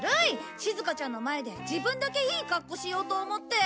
しずかちゃんの前で自分だけいい格好しようと思って！